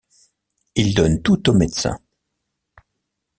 Il donne tout au médecin.